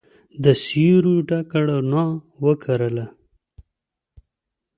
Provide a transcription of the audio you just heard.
د سیورو ډکه روڼا وکرله